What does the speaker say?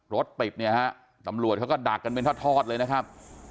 รถติดเนี่ยฮะตำรวจเขาก็ดักกันเป็นทอดเลยนะครับ